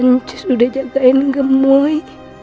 ancus udah jagain gemoy